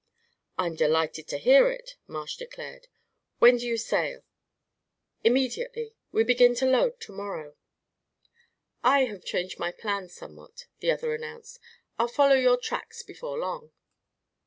"I'm delighted to hear it," Marsh declared. "When do you sail?" "Immediately. We begin to load to morrow." "I have changed my plans somewhat," the other announced. "I'll follow your tracks before long."